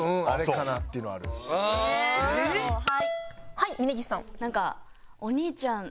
はい峯岸さん。